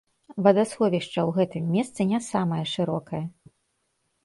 Вадасховішча ў гэтым месцы не самае шырокае.